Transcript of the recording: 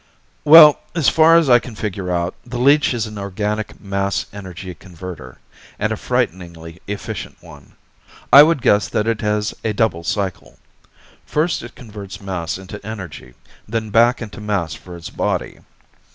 "Well, as far as I can figure out, the leech is an organic mass energy converter, and a frighteningly efficient one. I would guess that it has a double cycle. First, it converts mass into energy, then back into mass for its body.